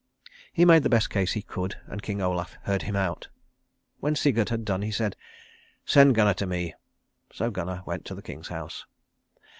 He made the best case he could, and King Olaf heard him out. When Sigurd had done he said, "Send Gunnar to me." So Gunnar went to the King's house.